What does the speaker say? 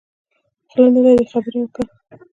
خوله نلرې خبره وکه.